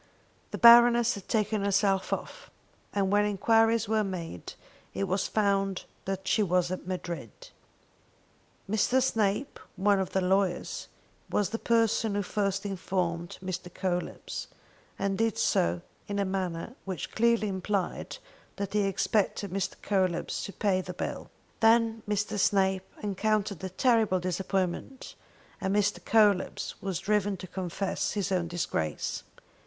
The Baroness had taken herself off, and when enquiries were made it was found that she was at Madrid. Mr. Snape, one of the lawyers, was the person who first informed Mr. Coelebs, and did so in a manner which clearly implied that he expected Mr. Coelebs to pay the bill. Then Mr. Snape encountered a terrible disappointment, and Mr. Coelebs was driven to confess his own disgrace.